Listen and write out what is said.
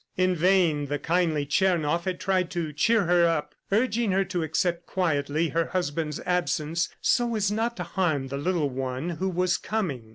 In vain the kindly Tchernoff had tried to cheer her up, urging her to accept quietly her husband's absence so as not to harm the little one who was coming.